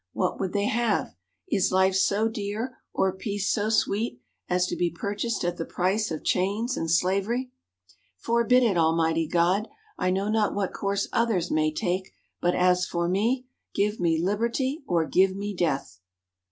What would they have? Is life so dear or peace so sweet as to be purchased at the price of chains and slavery? "Forbid it, Almighty God! I know not what course others may take; but as for me, give me Liberty or give me Death!"